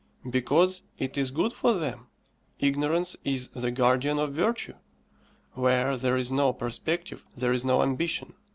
because it is good for them. Ignorance is the guardian of Virtue. Where there is no perspective there is no ambition.